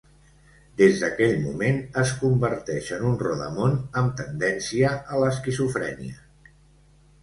Des d'aquell moment es converteix en un rodamón amb tendència a l'esquizofrènia.